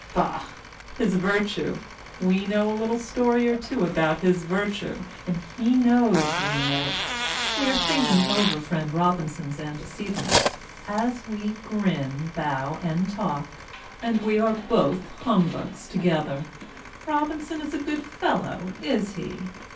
Bah ! His virtue? We know a little story or two about his virtue, and he knows we know it. We are thinking over friend Robin son's antecedents, as we grin, bow and talk; and we are both humbugs together. Robinson a good fellow, is he?